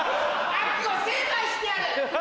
悪を成敗してやる！